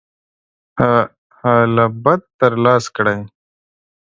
هعلْهبت تر لاسَ کړئ.